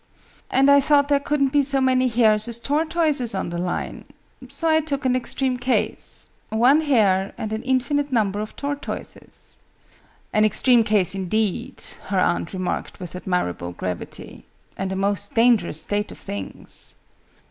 "And I thought there couldn't be so many hares as tortoises on the Line: so I took an extreme case one hare and an infinite number of tortoises." "An extreme case, indeed," her aunt remarked with admirable gravity: "and a most dangerous state of things!"